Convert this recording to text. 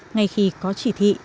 ngay khi có chỉ thị